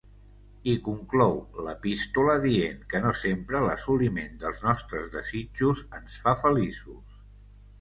I conclou l’epístola dient que no sempre l’assoliment dels nostres desitjos ens fa feliços.